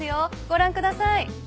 ご覧ください。